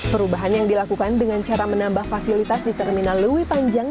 perubahan yang dilakukan dengan cara menambah fasilitas di terminal lewi panjang